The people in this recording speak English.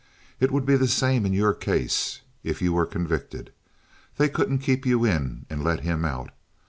It would be the same in your case, if you were convicted. They couldn't keep you in and let him out.